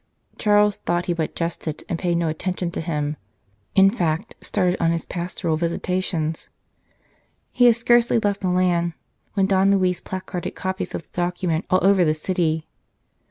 Charles thought he but jested, and paid no attention to him in fact, started on his pastoral visitations. He had scarcely left Milan, when Don Luis placarded copies of the document all over the 106 Church versus State city.